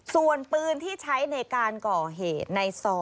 ส่วนปืนที่ใช้ในการก่อเหตุในซอ